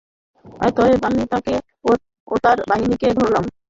অতএব, আমি তাকে ও তার বাহিনীকে ধরলাম এবং তাদেরকে সমুদ্রে নিক্ষেপ করলাম।